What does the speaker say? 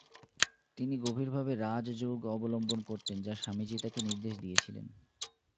তিনি গভীর ভাবে ‘রাজযোগ’ অবলম্বন করতেন যা স্বামীজী তাকে নির্দেশ দিয়েছিলেন।